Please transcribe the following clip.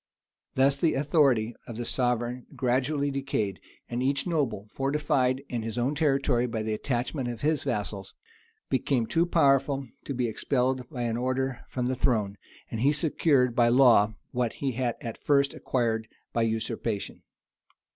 Thus the authority of the sovereign gradually decayed; and each noble, fortified in his own territory by the attachment of his vassals, became too powerful to be expelled by an order from the throne; and he secured by law what he had at first acquired by usurpation.